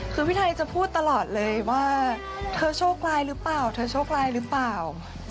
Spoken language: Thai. คือพี่ไทยจะพูดตลอดเลยว่าเธอโชคร้ายหรือเปล่าเธอโชคร้ายหรือเปล่า